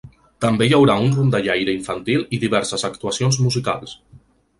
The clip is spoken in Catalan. També hi haurà un rondallaire infantil i diverses actuacions musicals.